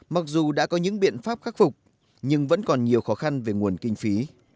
mặc dù đã có những biện pháp khắc phục nhưng vẫn còn nhiều khó khăn về nguồn kinh phí